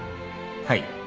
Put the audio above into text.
はい。